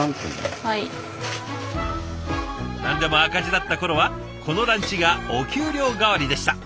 何でも赤字だった頃はこのランチがお給料代わりでした。